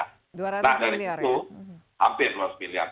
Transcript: nah dari situ hampir dua ratus miliar